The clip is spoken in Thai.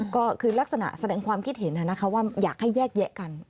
ก็คือลักษณะแสดงความคิดเห็นว่าอยากให้แยกแยะกัน